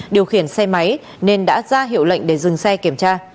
điều khiển xe máy nên đã ra hiệu lệnh để dừng xe kiểm tra